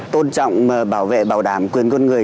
tôn trọng bảo vệ bảo đảm quyền con người